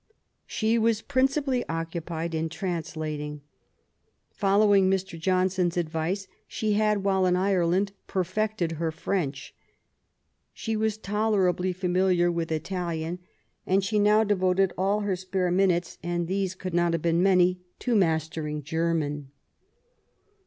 She was principally occupied in translating. Follow ing Mr. Johnson^s advice, she had, while in Ireland^ perfected her French. She was tolerably familiar with Italian; and she now devoted all her spare minutes — and these could not have been many — to mastering German.